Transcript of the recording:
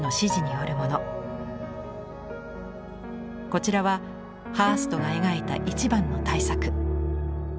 こちらはハーストが描いた一番の大作。